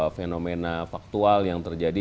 fenomena faktual yang terjadi